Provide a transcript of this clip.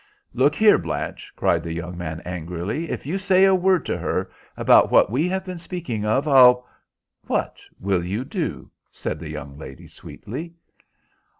"Look here, Blanche," cried the young man, angrily, "if you say a word to her about what we have been speaking of, I'll—" "What will you do?" said the young lady, sweetly.